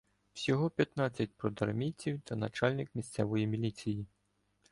Всього п'ятнадцять продармійців та начальник місцевої міліції.